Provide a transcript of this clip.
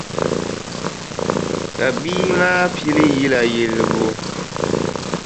Ka bia maa pili yila yilibu.